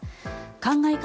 考え方